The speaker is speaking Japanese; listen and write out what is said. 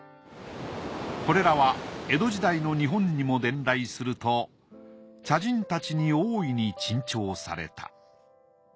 これらは江戸時代の日本にも伝来すると茶人達に大いに珍重された。